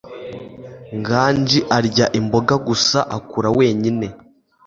nganji arya imboga gusa akura wenyine